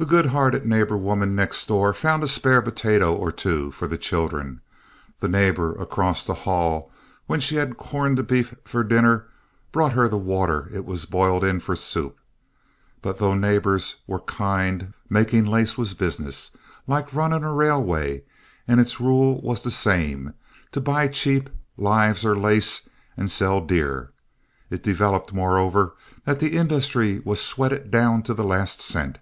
The good hearted woman next door found a spare potato or two for the children; the neighbor across the hall, when she had corned beef for dinner, brought her the water it was boiled in for soup. But though neighbors were kind, making lace was business, like running a railway, and its rule was the same to buy cheap, lives or lace, and sell dear. It developed, moreover, that the industry was sweated down to the last cent.